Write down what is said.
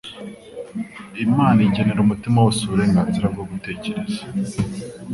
Imana igenera umutima wose uburenganzira bwo gutekereza